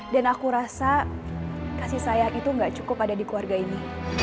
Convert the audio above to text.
dan aku rasa kasih sayang itu gak cukup ada di keluarga ini